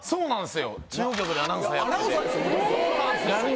そうなんですよ。